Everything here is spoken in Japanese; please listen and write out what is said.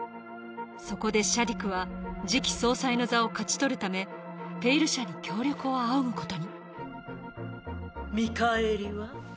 そこでシャディクは次期総裁の座を勝ち取るため「ペイル社」に協力を仰ぐことに見返りは？